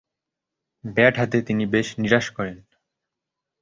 Bat হাতে তিনি বেশ নিরাশ করেন।